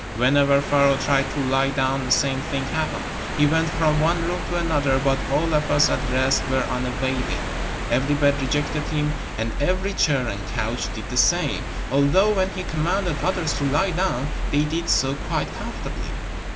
Whenever Pharaoh tried to lie down the same thing happened. He went from one room to another, but all efforts at rest were unavailing. Every bed rejected him and every chair and couch did the same, although when he commanded others to lie down they did so quite comfortably.